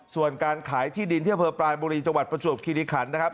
ส่วนการขายที่ดินที่อำเภอปลายบุรีจังหวัดประจวบคิริขันนะครับ